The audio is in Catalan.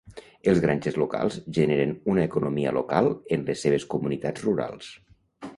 Els grangers locals generen una economia local en les seves comunitats rurals.